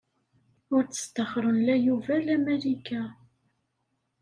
Ur d-sṭaxxren la Yuba la Malika.